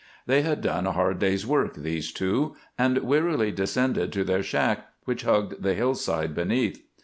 They had done a hard day's work, these two, and wearily descended to their shack, which hugged the hillside beneath.